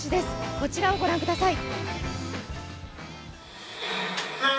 こちらをご覧ください。